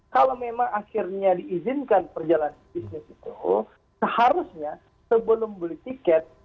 kalau memang akhirnya diizinkan perjalanan bisnis itu seharusnya sebelum beli tiket